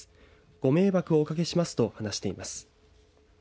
ご迷惑をおかけしますと話しています。